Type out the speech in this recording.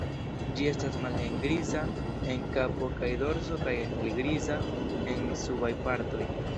Ĝi estas malhelgriza en kapo kaj dorso kaj helgriza en subaj partoj.